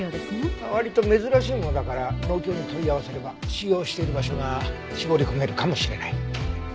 割と珍しいものだから農協に問い合わせれば使用している場所が絞り込めるかもしれない。